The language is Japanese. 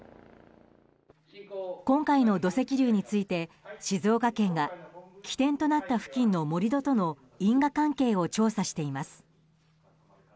今回の土石流について静岡県が起点となった付近の盛り土との因果関係を調査しています。